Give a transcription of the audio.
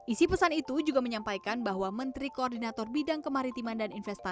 isi pesan itu juga menyampaikan bahwa menteri koordinator bidang kemaritiman dan investasi